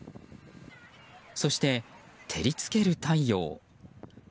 そして、照りつける太陽。